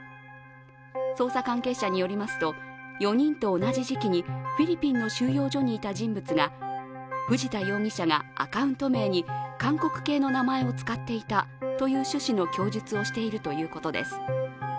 捜査関係者によりますと、４人と同じ時期にフィリピンの収容所にいた人物が、藤田容疑者がアカウント名に韓国系の名前を使っていたという趣旨の供述をしていたということです。